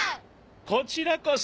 こちらこそ！